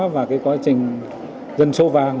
và cái quá trình dân số vàng